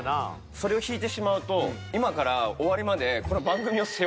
それを引いてしまうと今から終わりまでこの。